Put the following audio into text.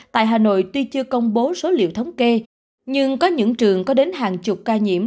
tại hà nội tuy chưa công bố số liệu thống kê nhưng có những trường có đến hàng chục ca nhiễm